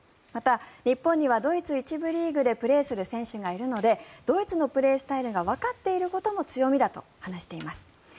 また日本にはドイツ１部リーグでプレーする選手もいるのでドイツのプレースタイルがわかっていることも強みだと話しています。